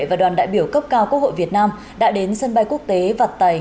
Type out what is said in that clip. và đoàn đại biểu cấp cao quốc hội việt nam đã đến sân bay quốc tế vặt tày